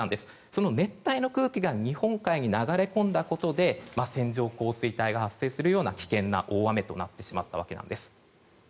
その熱帯の空気が日本海に流れ込んだことで線状降水帯が発生するような危険な大雨となったわけです。